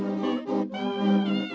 pertama suara dari biasusu